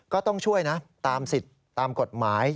ก็ต้องช่วยนะตามสิทธิ์ตามกฎหมาย